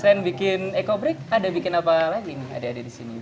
selain bikin eco break ada bikin apa lagi nih adik adik di sini